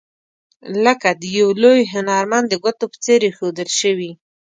لکه د یو لوی هنرمند د ګوتو په څیر ایښودل شوي.